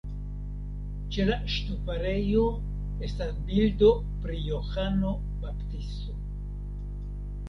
Ĉe la ŝtuparejo estas bildo pri Johano Baptisto.